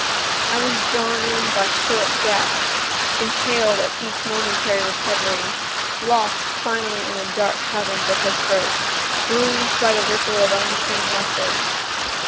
I was drawn in by short gasps, inhaled at each momentary recovery, lost finally in the dark caverns of her throat, bruised by the ripple of unseen muscles.